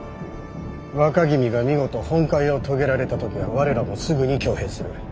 若君が見事本懐を遂げられた時は我らもすぐに挙兵する。